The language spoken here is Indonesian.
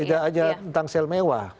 tidak hanya tentang sel mewah